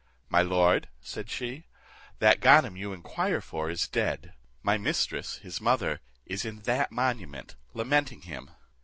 "My lord," said she, "that Ganem you inquire for is dead; my mistress, his mother, is in that monument, lamenting him."